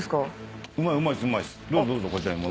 どうぞこちらに。